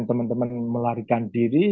teman teman melarikan diri